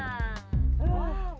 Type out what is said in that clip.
baik baik aja kan